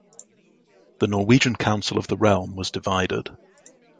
The Norwegian Council of the Realm was divided.